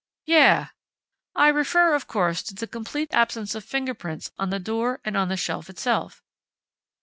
"Yeah!... I refer, of course, to the complete absence of fingerprints on the door and on the shelf itself!